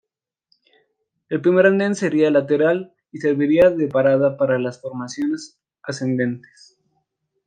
El primer anden sería lateral y serviría de parada para las formaciones ascendentes.